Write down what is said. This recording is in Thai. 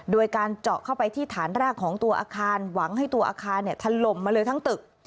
โดยการเจาะเข้าไปที่ฐานรากของตัวอาคารหวังให้ตัวอาคารถล่มมาเลยทั้งตึก